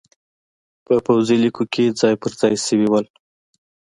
په پوځي لیکو کې ځای پرځای شوي وو